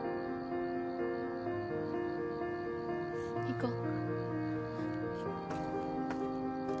行こう。